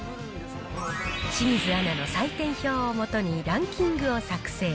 清水アナの採点表を基にランキングを作成。